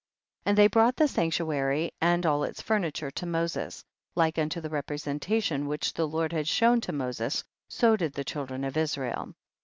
36. And they brought the sanctu ary and all its furniture to Moses ; like unto the representation which the Lord had shown to Moses, so did the children of Israel.